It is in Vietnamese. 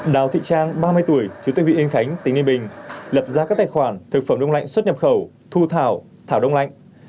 đào thị trang ba mươi tuổi chủ tịch vị yên khánh tỉnh ninh bình lập ra các tài khoản thực phẩm đông lạnh xuất nhập khẩu thu thảo thảo đông lạnh